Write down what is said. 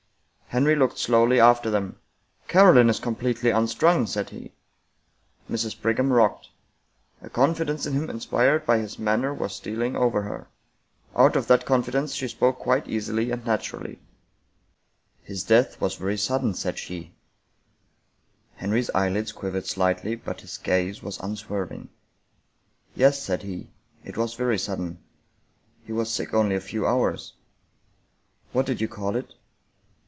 Henry looked slowly after them. " Caroline is completely unstrung," said he. Mrs. Brigham rocked. A confidence in him inspired by his manner was stealing over her. Out of that confidence she spoke quite easily and naturally. 53 American Mystery Stories " His death was very sudden," said she. Henry's eyeHds quivered sHghtly but his gaze was un swerving. " Yes," said he ;" it was very sudden. He was sick only a few hours." " What did you call it?